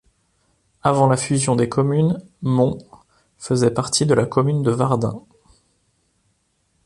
Avant la fusion des communes, Mont faisait partie de la commune de Wardin.